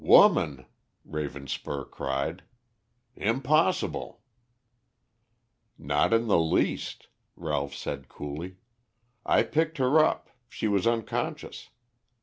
"Woman?" Ravenspur cried. "Impossible!" "Not in the least," Ralph said coolly. "I picked her up, she was unconscious.